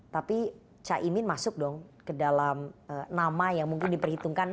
tapi caimin masuk dong ke dalam nama yang mungkin diperhitungkan